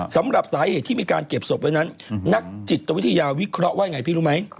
สำหรับสาเหตุที่มีการเก็บศพไว้นั้นนักจิตวิทยาวิเคราะห์ว่าอย่างไรพี่รู้ไหม